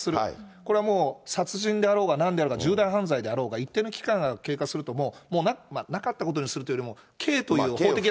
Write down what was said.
これはもう殺人であろうがなんであろうが、重大犯罪であろうが、一定の期間が経過するともう、もうなかったことにするというか、刑という。